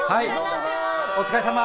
お疲れさま！